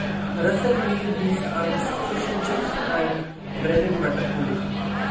Russell made his Aunt's Fish and Chips and Bread and Butter pudding.